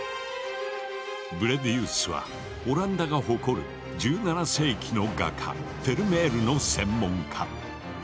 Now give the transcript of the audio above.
ブレディウスはオランダが誇る１７世紀の画家フェルメールの専門家。